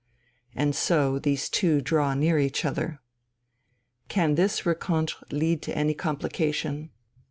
And so these two draw near each other. Can this rencontre lead to any complication?